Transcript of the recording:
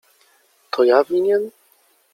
— To ja winien?